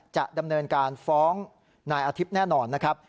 จะดำเนินการฟ้องนายอาทิตย์แน่นอนนะครับ